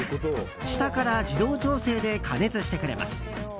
下から自動調整で加熱してくれます。